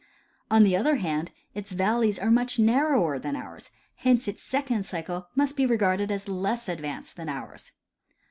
On the other hand, its valleys are much narrower • than ours ; hence its second cycle must be regarded as less ad vanced than ours.